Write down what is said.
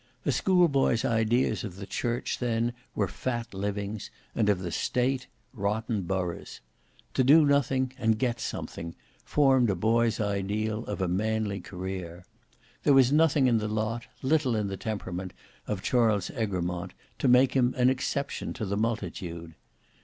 A school boy's ideas of the Church then were fat livings, and of the State, rotten boroughs. To do nothing and get something, formed a boy's ideal of a manly career. There was nothing in the lot, little in the temperament, of Charles Egremont, to make him an exception to the multitude.